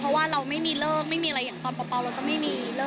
เพราะว่าเราไม่มีเลิกไม่มีอะไรอย่างตอนเปล่าเราก็ไม่มี